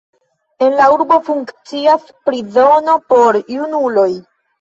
En la urbo funkcias prizono por junuloj.